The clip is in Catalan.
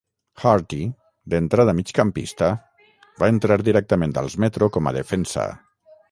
Harty, d'entrada migcampista, va entrar directament als Metro com a defensa.